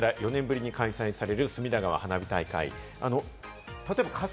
例えばこちら、４年ぶりに開催される隅田川花火大会。